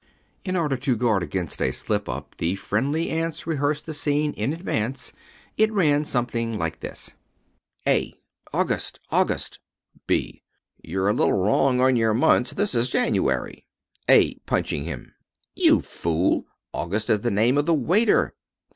In order to guard against a slip up the friendly ants rehearsed the scene in advance. It ran something like this: A August! August! B You're a little wrong on your months. This is January. A (punching him) You fool! August is the name of the waiter.